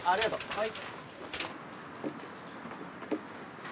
はい。